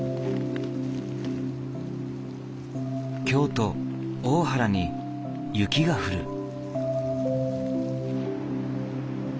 京都・大原に雪が降る。